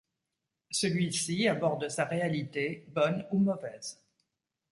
Celui-ci aborde sa réalité, bonne ou mauvaise.